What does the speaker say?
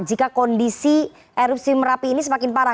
jika kondisi erupsi merapi ini semakin parah